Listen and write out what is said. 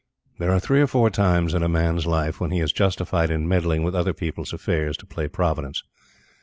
There are three or four times in a man's life when he is justified in meddling with other people's affairs to play Providence.